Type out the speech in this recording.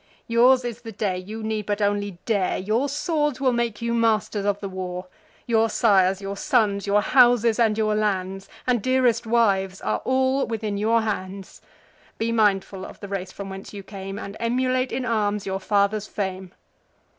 Yours is the day: you need but only dare; Your swords will make you masters of the war. Your sires, your sons, your houses, and your lands, And dearest wifes, are all within your hands. Be mindful of the race from whence you came, And emulate in arms your fathers' fame.